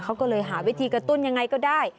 เขาก็เลยหาวิธีกระตุ้นยังไงก็ได้